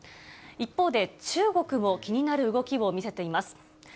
一方で、中国も気になる動きを見せています。